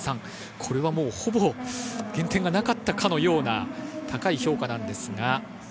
これはほぼ減点がなかったかのような高い評価なのですが。